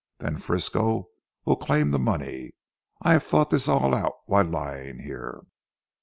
Then Frisco will claim the money. I have thought this all out while lying here."